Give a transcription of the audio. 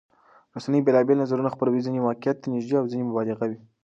رسنۍ بېلابېل نظرونه خپروي، ځینې واقعيت ته نږدې او ځینې مبالغه وي.